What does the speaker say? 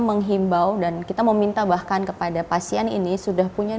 menghimbau dan kita meminta bahkan kepada pasien ini sudah punya